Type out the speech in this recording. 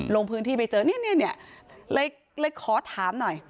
ลงพื้นที่ไปเจอเนี่ยเลยขอถามหน่อย